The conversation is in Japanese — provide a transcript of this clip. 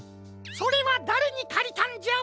それはだれにかりたんじゃ？